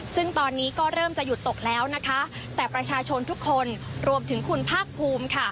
ซึ่งตอนนี้ก็เริ่มจะหยุดตกแล้วนะคะแต่ประชาชนทุกคนรวมถึงคุณภาคภูมิค่ะ